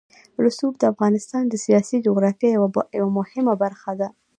رسوب د افغانستان د سیاسي جغرافیه یوه مهمه برخه ده.